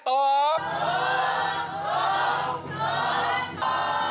ตอบตอบตอบ